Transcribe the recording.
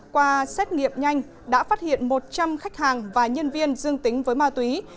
qua xét nghiệm nhanh đã phát hiện một trăm linh khách hàng và nhân viên dương tính với ma túy